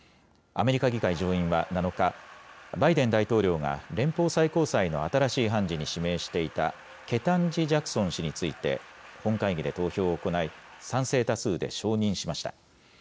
アメリカ議会上院は７日、バイデン大統領が連邦最高裁の新しい判事に指名していた、ケタンジ・ジャクソン氏について、本会議で投票を行い、賛成多数で承認しました。